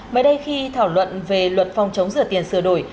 mới đây khi thảo luận về luật phòng chống rửa tiền sửa đổi